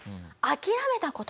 諦めた事？